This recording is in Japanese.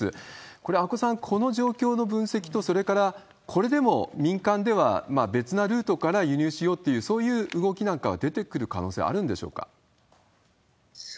これ、阿古さん、この状況の分析と、それから、これでも民間では別なルートから輸入しようという、そういう動きなんかは出てくる可能性あるんでしょうか？